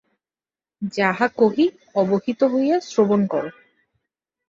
যাহা কহি অবহিত হইয়া শ্রবণ কর।